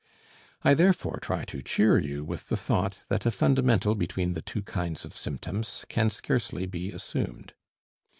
I therefore try to cheer you with the thought that a fundamental between the two kinds of symptoms can scarcely be assumed.